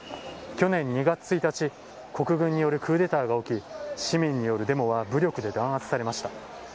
去年２月１日、国軍によるクーデターが起き、市民によるデモは武力で弾圧されました。